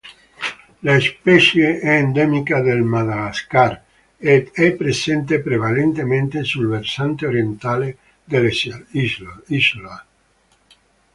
La specie è endemica del Madagascar ed è presente prevalentemente sul versante orientale dell'isola.